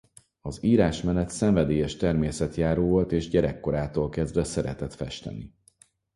Az írás mellett szenvedélyes természetjáró volt és gyerekkorától kezdve szeretett festeni.